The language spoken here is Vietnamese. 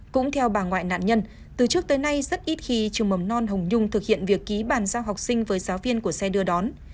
cũng theo bà ngoại nạn nhân từ trước tới nay rất ít khi trường mầm non hồng nhung thực hiện việc ký bàn giao học sinh với giáo viên của xe đưa đón